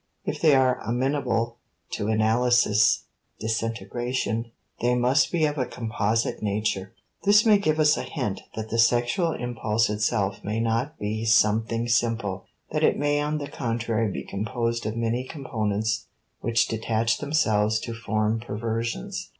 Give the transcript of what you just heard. If they are amenable to analysis disintegration they must be of a composite nature. This may give us a hint that the sexual impulse itself may not be something simple, that it may on the contrary be composed of many components which detach themselves to form perversions.